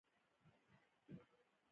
کوتره د شپې نه الوزي.